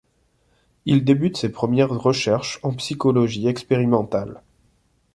Il débute ses premières recherches en psychologie expérimentale.